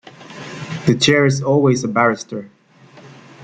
The chair is always a barrister.